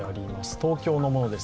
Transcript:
東京のものです。